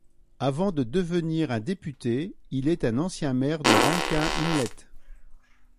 Avant devenir un député, il est un ancien maire de Rankin Inlet.